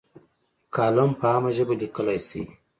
کالم په عامه ژبه لیکلی شي.